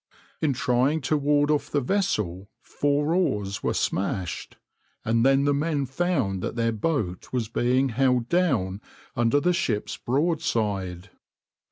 In trying to ward off the vessel four oars were smashed, and then the men found that their boat was being held down under the ship's broadside.